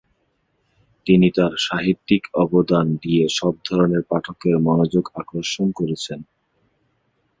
তিনি তার সাহিত্যিক অবদান দিয়ে সব ধরনের পাঠকের মনোযোগ আকর্ষণ করেছেন।